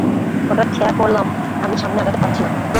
হঠাৎ খেয়া করলাম আমি সামনে আগাতে পারছি না।